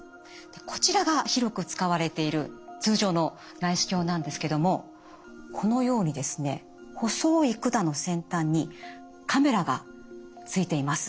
こちらが広く使われている通常の内視鏡なんですけどもこのようにですね細い管の先端にカメラがついています。